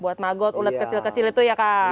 buat magot ulat kecil kecil itu ya kang